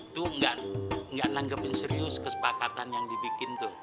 tuh nggak nanggapin serius kesepakatan yang dibikin tuh